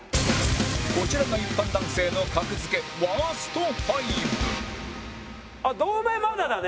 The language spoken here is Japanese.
こちらが一般男性の格付けワースト５あっ堂前まだだね。